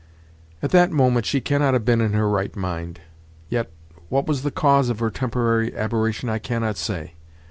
At that moment she cannot have been in her right mind; yet, what was the cause of her temporary aberration I cannot say.